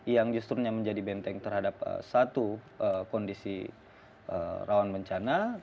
yang justru menjadi benteng terhadap satu kondisi rawan bencana